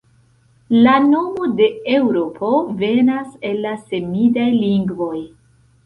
La nomo de Eŭropo venas el la semidaj lingvoj.